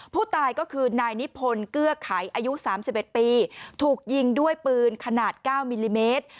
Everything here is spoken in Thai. ผู้ตายก็คือนายนิพนธ์เกื้อไขอายุ๓๑ปีถูกยิงด้วยปืนขนาด๙มิลลิเมตร